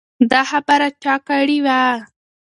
دا خبره چا کړې وه؟